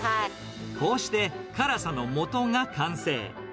こうして辛さのもとが完成。